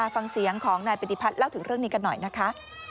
ฟังเสียงของนายปฏิพัฒน์เล่าถึงเรื่องนี้กันหน่อยนะคะ